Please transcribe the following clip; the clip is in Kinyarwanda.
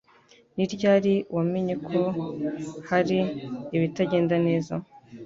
Ni ryari wamenye ko hari ibitagenda neza?